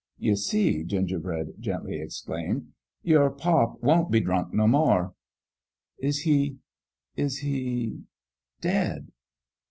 "You see," Gingerbread gently exclaimed "your pop won't be drunk no more." " Is he is \ter dead?